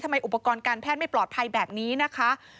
ทำไมอุปกรณ์การแพทย์เนี่ยไม่ปลอดภัยแบบนี้นะคะ